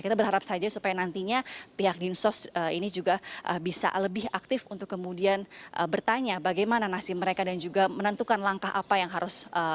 kita berharap saja supaya nantinya pihak dinsos ini juga bisa lebih aktif untuk kemudian bertanya bagaimana nasib mereka dan juga menentukan langkah apa yang harus